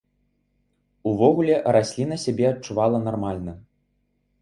Увогуле, расліна сябе адчувала нармальна.